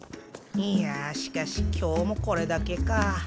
いやしかし今日もこれだけか。